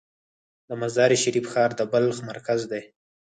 د مزار شریف ښار د بلخ مرکز دی